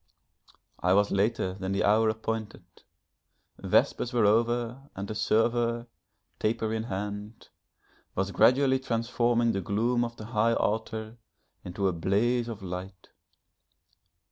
I was later than the hour appointed; vespers were over and a server, taper in hand, was gradually transforming the gloom of the high altar into a blaze of light.